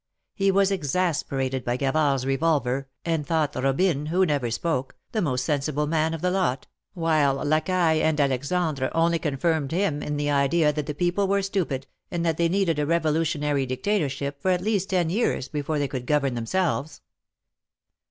He was exasperated by Gavard^s revolver, and thought Robine, who never spoke, the most sensible man of the lot, while Lacaille and Alexandre only confirmed him in the idea that the people were stupid, and that they needed a revolutionary dictatorship for at least ten years before they could govern themselves.